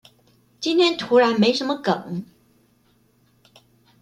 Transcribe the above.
今天突然沒什麼梗